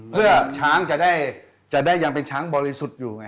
เพื่อช้างจะได้ยังเป็นช้างบริสุทธิ์อยู่ไง